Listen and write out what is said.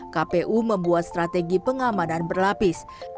kpu membuat strategi pengamanan berlapis